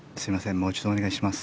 もう一度お願いします。